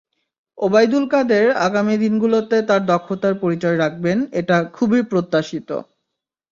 ওবায়দুল কাদের আগামী দিনগুলোতে তাঁর দক্ষতার পরিচয় রাখবেন, এটা খুবই প্রত্যাশিত।